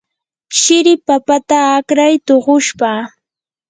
shiri papata akray tuqushpa.